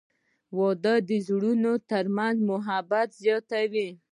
• واده د زړونو ترمنځ محبت زیاتوي.